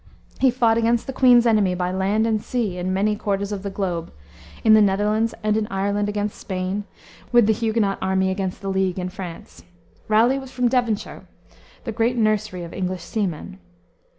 He fought against the Queen's enemies by land and sea in many quarters of the globe; in the Netherlands and in Ireland against Spain, with the Huguenot Army against the League in France. Raleigh was from Devonshire, the great nursery of English seamen.